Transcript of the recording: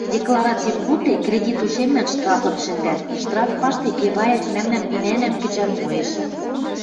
Декларацим пуде, кредит ушемлӓн штрафым шӹндӓт, штраф паштек Эваев мӓмнӓн винӓнӓм кӹчӓл моэш.